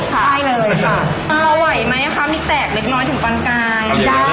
ใช่เลยค่ะเอาไว้ไหมค่ะมีแตกเล็กน้อยถึงกลางกายเอาเยอะเยอะเลย